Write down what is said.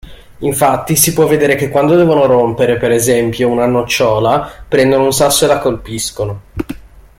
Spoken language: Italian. Infatti, si può vedere che quando devono rompere, per esempio, una nocciola prendono un sasso e la colpiscono.